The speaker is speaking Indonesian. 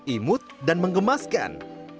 imut dan mengemaskan